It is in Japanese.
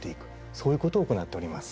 そういうことを行っております。